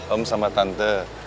om sama tante